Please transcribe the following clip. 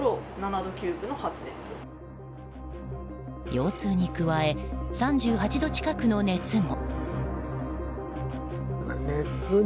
腰痛に加え、３８度近くの熱も。